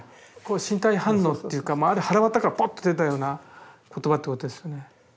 身体反応っていうかはらわたからポッと出たような言葉ってことですよね。